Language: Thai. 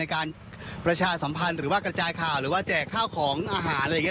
การประชาสัมพันธ์หรือว่ากระจายข่าวหรือว่าแจกข้าวของอาหารอะไรอย่างนี้